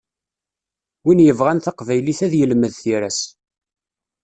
Win yebɣan taqbaylit ad yelmed tira-s.